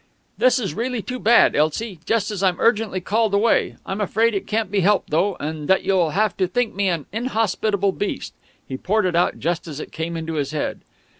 "This is really too bad, Elsie! Just as I'm urgently called away! I'm afraid it can't be helped though, and that you'll have to think me an inhospitable beast." He poured it out just as it came into his head.